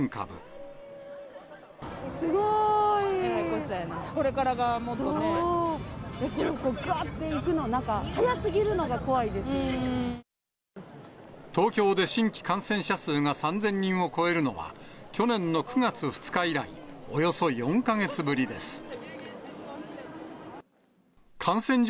ぐわっていくの、東京で新規感染者数が３０００人を超えるのは、去年の９月２日以来、およそ４か月ぶりです。